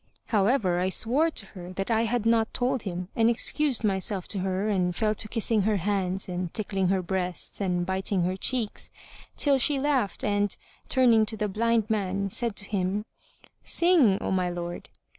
However, I swore to her that I had not told him and excused myself to her and fell to kissing her hands and tickling her breasts and biting her cheeks, till she laughed and, turning to the blind man, said to him, "Sing, O my lord!"